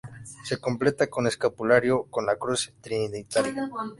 Se completa con escapulario con la cruz trinitaria.